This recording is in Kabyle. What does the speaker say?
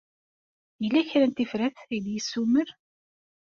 Yella kra n tifrat ay d-yessumer?